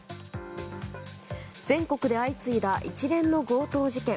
全国で相次いだ一連の強盗事件。